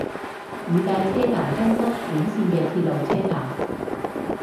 羽带车站根室本线的铁路车站。